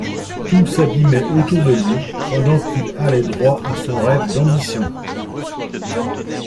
Tout s'abîmait autour de lui, pendant qu'il allait droit à son rêve d'ambition.